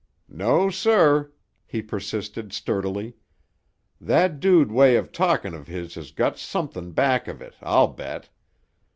"No, sir," he persisted sturdily. "That dude way of talkin' of his has got somethin' back of it, I'll bet.